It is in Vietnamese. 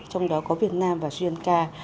trong đó có việt nam và sri lanka